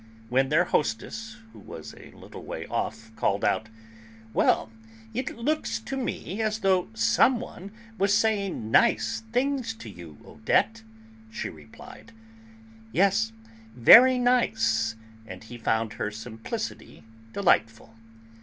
When their hostess, who was a little way off, called out, "Well! It looks to me as though some one was saying nice things to you, Odette!" she replied, "Yes, very nice," and he found her simplicity delightful.